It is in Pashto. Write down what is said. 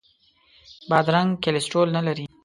بادرنګ کولیسټرول نه لري.